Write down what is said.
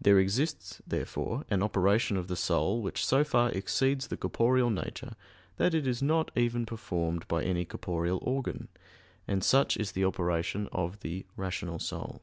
There exists, therefore, an operation of the soul which so far exceeds the corporeal nature that it is not even performed by any corporeal organ; and such is the operation of the _rational soul.